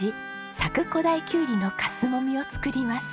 佐久古太きゅうりの粕もみを作ります。